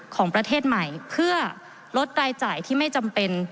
ของประเทศใหม่เพื่อลดรายจ่ายที่ไม่จำเป็น